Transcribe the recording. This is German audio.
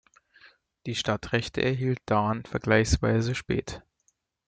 Die Stadtrechte erhielt Dahn vergleichsweise spät.